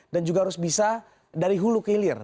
dan juga harus bisa dari hulu ke hilir